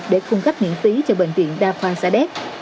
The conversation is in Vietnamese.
để cung cấp miễn phí cho bệnh viện đa khoan sa đéc